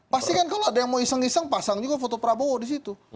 pasti kan kalau ada yang mau iseng iseng pasang juga foto prabowo di situ